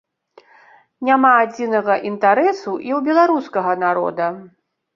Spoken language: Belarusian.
Няма адзінага інтарэсу і ў беларускага народа.